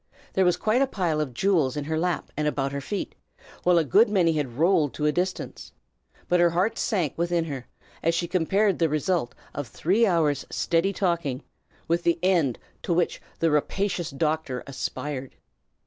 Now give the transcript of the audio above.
There was quite a pile of jewels in her lap and about her feet, while a good many had rolled to a distance; but her heart sank within her as she compared the result of three hours' steady talking with the end to which the rapacious doctor aspired.